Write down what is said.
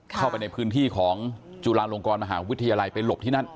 เข้าไปในพื้นที่ของจุฬาลงกรมหาวิทยาลัยไปหลบที่นั่น